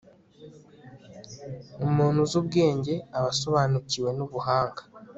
umuntu uzi ubwenge aba asobanukiwe n'ubuhanga